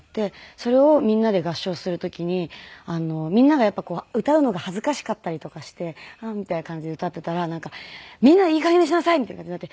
それをみんなで合唱する時にみんながやっぱり歌うのが恥ずかしかったりとかして「あっ」みたいな感じで歌っていたらなんか「みんないい加減にしなさい！」みたいな感じになって。